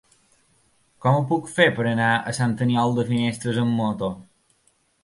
Com ho puc fer per anar a Sant Aniol de Finestres amb moto?